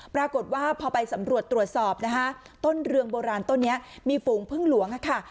ปรากฏว่าพอไปสำรวจตรวจสอบนะคะต้นเรืองโบราณต้นนี้มีฝูงพึ่งหลวงค่ะ